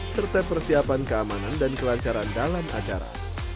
serta persiapan keamanan dan kelancaran dalam acara